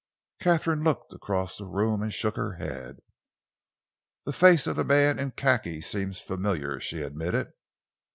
Katharine looked across the room and shook her head. "The face of the man in khaki seems familiar," she admitted.